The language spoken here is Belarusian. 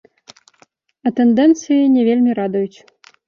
А тэндэнцыі не вельмі радуюць.